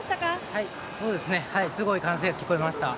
はい、すごい歓声が聞こえました。